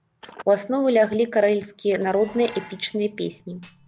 У аснову ляглі карэльскія народныя эпічныя песні.